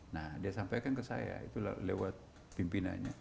nah dia sampaikan ke saya itu lewat pimpinannya